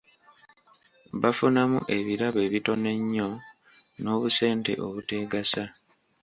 Bafunamu ebirabo ebitono ennyo n'obusente obuteegasa.